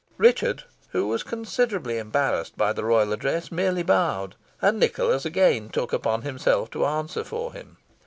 Richard, who was considerably embarrassed by the royal address, merely bowed, and Nicholas again took upon himself to answer for him.